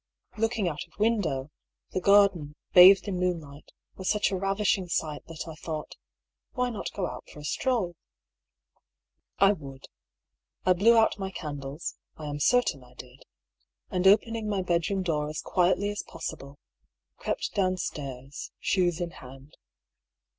Looking out of window, the garden, bathed in moon light, was such a ravishing sight that I thought — Why not go out for a stroll ? I would. I blew out my candles (I am certain I did), and opening my bedroom door as quietly as possible, 4 44 DK. PAULL'S THEORY. crept downstairs, shoes in hand.